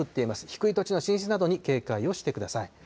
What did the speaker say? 低い土地の浸水などに警戒をしてください。